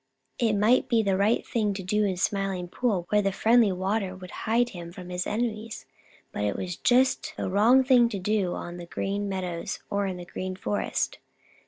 It might be the right thing to do in the Smiling Pool, where the friendly water would hide him from his enemies, but it was just the wrong thing to do on the Green Meadows or in the Green Forest.